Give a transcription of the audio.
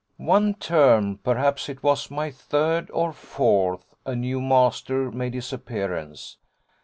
'One term perhaps it was my third or fourth a new master made his appearance.